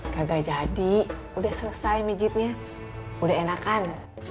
kagak jadi udah selesai mijitnya udah enakan